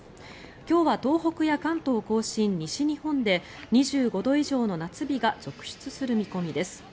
今日は東北や関東・甲信、西日本で２５度以上の夏日が続出する見込みです。